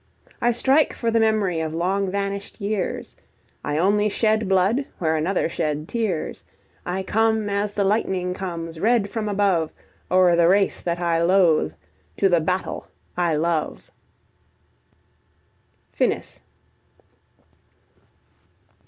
I strike for the memory of long vanished years; I only shed blood where another shed tears, I come, as the lightning comes red from above, O'er the race that I loathe, to the battle I love. FINIS.